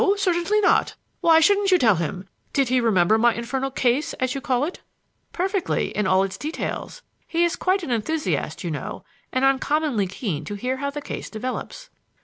Certainly not. Why shouldn't you tell him? Did he remember my infernal case, as you call it?" "Perfectly, in all its details. He is quite an enthusiast, you know, and uncommonly keen to hear how the case develops."